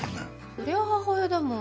そりゃあ母親だもん。